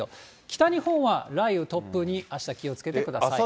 北日本は雷雨、突風にあした気をつけてください。